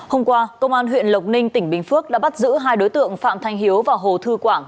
hôm qua công an huyện lộc ninh tỉnh bình phước đã bắt giữ hai đối tượng phạm thanh hiếu và hồ thư quảng